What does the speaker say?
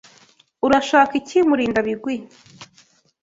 Urashaka iki, Murindabigwi?